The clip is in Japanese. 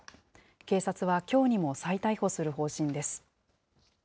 警察はきょうにも再逮捕する方針です。